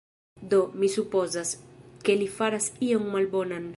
Do, mi supozas, ke li faras ion malbonan